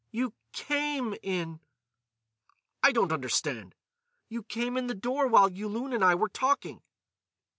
"You came in." "I don't understand." "You came in the door while Yulun and I were talking."